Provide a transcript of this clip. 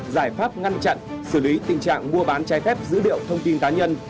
giải pháp ngăn chặn xử lý tình trạng mua bán trái phép dữ liệu thông tin cá nhân